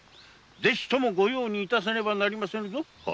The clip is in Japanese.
ぜひとも「御用」に致さねばなりませぬぞ。